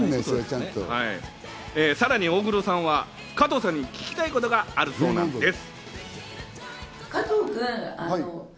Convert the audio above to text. さらに大黒さんは加藤さんに聞きたいことがあるそうなんです。